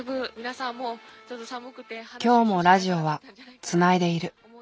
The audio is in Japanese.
今日もラジオはつないでいる。